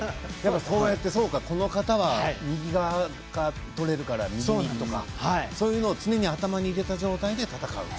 そうやって、この方は右側がとれるから右にとかそういうのを常に頭に入れた状態で戦うと。